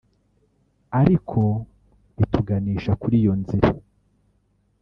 ariko bituganisha kuri iyo nzira